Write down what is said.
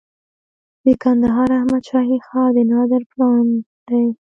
د کندهار احمد شاهي ښار د نادر پلان دی